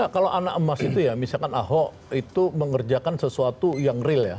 kalau anak emas itu ya misalkan ahok itu mengerjakan sesuatu yang real ya